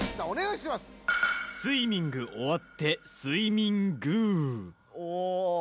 おお！